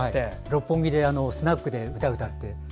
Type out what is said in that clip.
六本木でスナックで歌って。